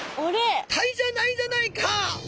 タイじゃないじゃないか。